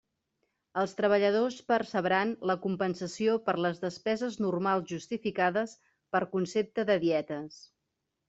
Els treballadors percebran la compensació per les despeses normals justificades per concepte de dietes.